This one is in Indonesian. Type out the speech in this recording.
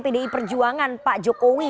pdi perjuangan pak jokowi